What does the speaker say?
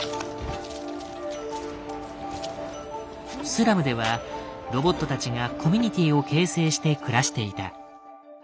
スラムではロボットたちがコミュニティーを形成して暮らしていた。